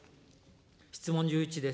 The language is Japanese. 質問１１です。